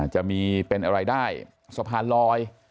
จะมีเป็นอะไรได้สะพานลอย